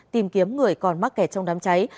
tìm kiếm người còn mắc kẹt trong đám cháy